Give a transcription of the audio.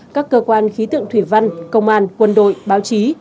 các cơ quan khí tượng thủy văn công an quân đội báo chí